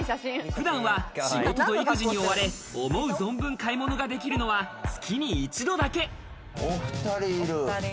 普段は仕事と育児に追われ、思う存分、買い物ができるのは月お２人いる。